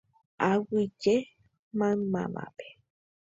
Aguyje maymávape.